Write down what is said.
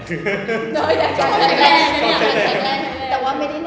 ใช้แหลม